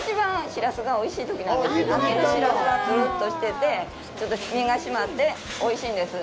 秋のしらすはツルッとしてて、ちょっと身が締まっておいしいんです。